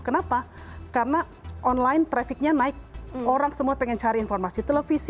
kenapa karena online trafficnya naik orang semua pengen cari informasi televisi